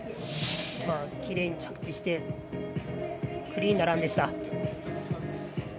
きれいに着地してクリーンなランでした。